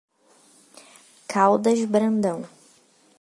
Caldas Brandão